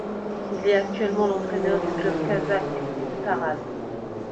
Il est actuellement l'entraîneur du club kazakh de Taraz.